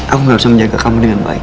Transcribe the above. aku gak bisa menjaga kamu dengan baik